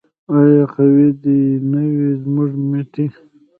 آیا قوي دې نه وي زموږ مټې؟